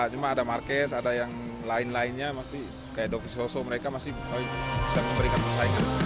cuma ada marquez ada yang lain lainnya pasti kayak dovis oso mereka masih bisa memberikan persaingan